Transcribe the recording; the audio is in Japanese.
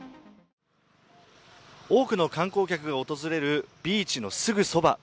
多くの観光客が訪れるビーチのすぐそば。